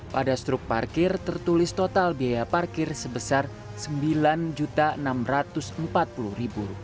pada struk parkir tertulis total biaya parkir sebesar rp sembilan enam ratus empat puluh